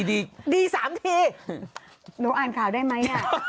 ดี๓ทีหนูอ่านข่าวได้ไหม